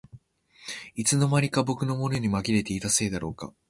いつの間にか僕のものにまぎれていたせいだろうか